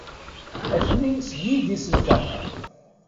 Atni seg yidis-nteɣ.